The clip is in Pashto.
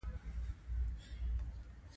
ډاکټران وايي ښه اړیکې موږ خوشحاله او سالم ساتي.